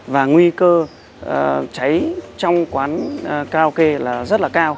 và nguy cơ cháy trong quán karaoke là rất là cao